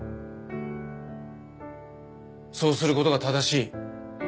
そうする事が正しい。